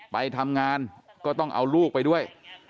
ไปทำงานก็ต้องเอาลูกไปด้วย